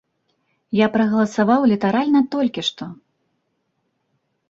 Я прагаласаваў літаральна толькі што.